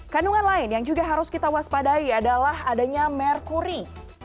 kandungan lain yang juga harus kita waspadai adalah adanya merkuri